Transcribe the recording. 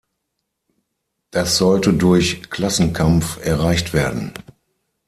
Das sollte durch Klassenkampf erreicht werden.